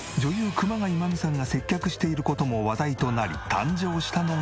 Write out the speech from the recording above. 熊谷真実さんが接客している事も話題となり誕生したのが。